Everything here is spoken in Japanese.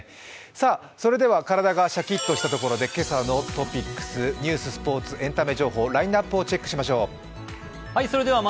さあ、体がシャキッとしたところで今朝のトピックス、ニュース、スポーツ、エンタメ情報、ラインナップをチェックしましょう。